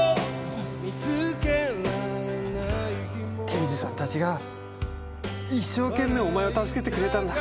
刑事さんたちが一生懸命お前を助けてくれたんだ。